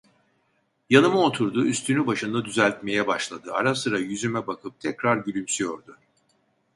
Yanıma oturdu; üstünü başını düzeltmeye başladı, ara sıra yüzüme bakıp tekrar gülümsüyordu.